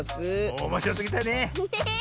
おもしろすぎたね！ね！